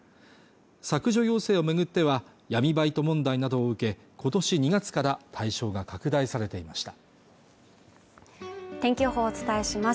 削除要請を巡っては闇バイト問題などを受けことし２月から対象が拡大されていました天気予報をお伝えします